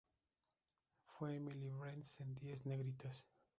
Fue Emily Brent en Diez negritos.